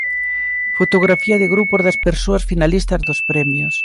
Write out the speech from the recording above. Fotografía de grupo das persoas finalistas dos premios.